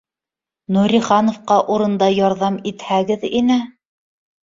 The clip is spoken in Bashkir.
— Нурихановҡа урында ярҙам итһәгеҙ ине